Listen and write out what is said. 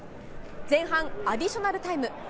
前半アディショナルタイム。